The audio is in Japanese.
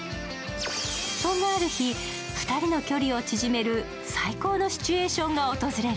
そんなある日、二人の距離を縮める最高のシチュエーションが訪れる。